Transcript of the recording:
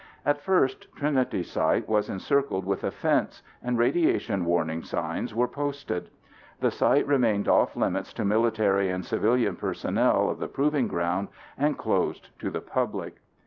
At first Trinity Site was encircled with a fence and radiation warning signs were posted. The site remained off limits to military and civilian personnel of the proving ground and closed to the public.